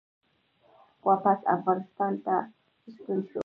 واپس افغانستان ته ستون شو